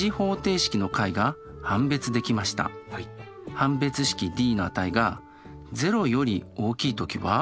判別式Ｄの値が０より大きい時は？